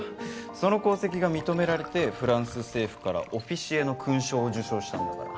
その功績が認められてフランス政府からオフィシエの勲章を受章したんだから。